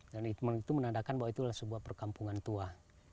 dan itu menandakan bahwa itu adalah sebuah perkampungan tua